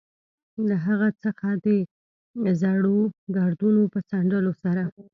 له هغه څخه د زړو ګردونو په څنډلو سره.